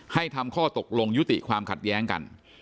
ให้ทำข้อตกลงยุติความขัดแย้งกัน